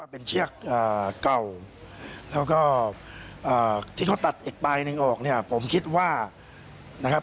เป็นเชือกเก่าแล้วก็ที่เขาตัดอีกใบหนึ่งออกเนี่ยผมคิดว่านะครับ